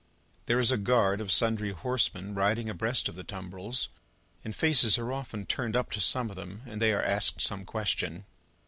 There is a guard of sundry horsemen riding abreast of the tumbrils, and faces are often turned up to some of them, and they are asked some question.